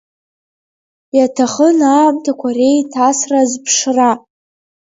Иаҭахын аамҭақәа реиҭасра азԥшра.